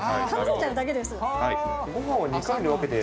そうです。